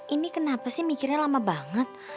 ini kenapa sih mikirnya lama banget